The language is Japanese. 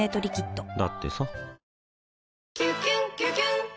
だってさ